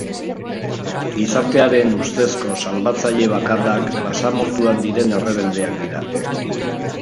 Gizartearen ustezko salbatzaile bakarrak basamortuan diren errebeldeak dira.